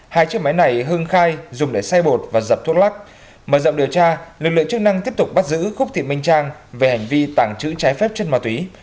hai chiếc máy này hưng khai dùng để say bột và dập thuốc lắc mở rộng điều tra lực lượng chức năng tiếp tục bắt giữ khúc thị minh trang về hành vi tàng trữ trái phép chất ma túy